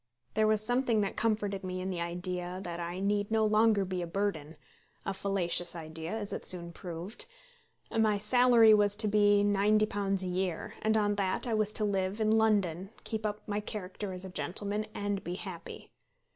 There was something that comforted me in the idea that I need no longer be a burden, a fallacious idea, as it soon proved. My salary was to be £90 a year, and on that I was to live in London, keep up my character as a gentleman, and be happy.